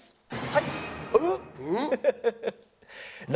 はい。